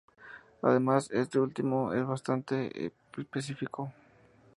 Además, este último es bastante más específico.